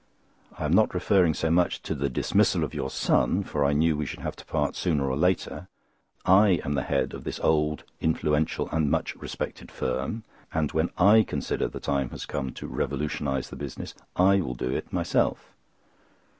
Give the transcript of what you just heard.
I am not referring so much to the dismissal of your son, for I knew we should have to part sooner or later. I am the head of this old, influential, and much respected firm; and when I consider the time has come to revolutionise the business, I will do it myself."